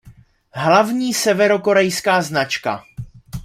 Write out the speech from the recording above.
Hlavní severokorejská značka.